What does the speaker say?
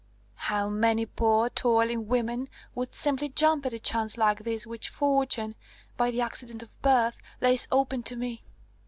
How many poor, toiling women would simply jump at a chance like this which fortune, by the accident of birth, lays open to me!